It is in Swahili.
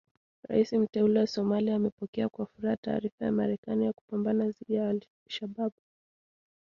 Rais Mteule wa Somalia amepokea kwa furaha taarifa ya Marekani ya kupambana dhidi ya Al Shabaab.